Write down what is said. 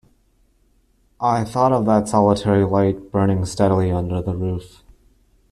I thought of that solitary light burning steadily under the roof.